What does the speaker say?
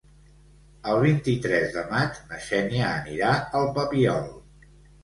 El vint-i-tres de maig na Xènia anirà al Papiol.